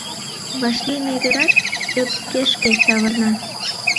Вашлийме верат ӧпкешке савырна.